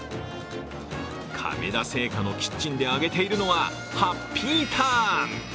亀田製菓のキッチンで揚げているのはハッピーターン。